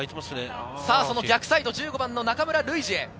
逆サイド、１５番・中村ルイジへ。